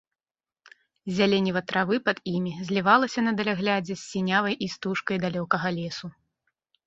Зяленіва травы пад імі злівалася на даляглядзе з сінявай істужкай далёкага лесу.